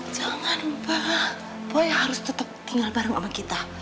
jangan lupa boy harus tetap tinggal bareng sama kita